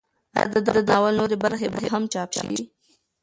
ایا د دغه ناول نورې برخې به هم چاپ شي؟